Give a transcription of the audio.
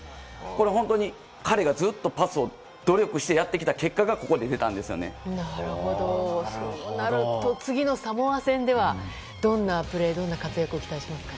本当に彼がずっとパスを努力してやってきた結果がそうなると次のサモア戦ではどんなプレーどんな活躍を期待しますか？